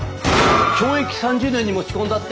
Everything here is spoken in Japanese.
懲役３０年に持ち込んだって！？